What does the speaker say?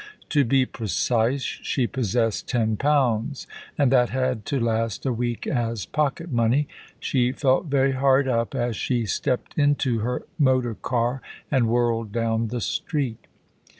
To be precise, she possessed ten pounds, and that had to last a week as pocket money. She felt very hard up as she stepped into her motor car and whirled down the street.